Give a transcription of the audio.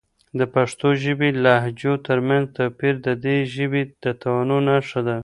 د پښتو ژبې لهجو ترمنځ توپیر د دې ژبې د تنوع نښه ده.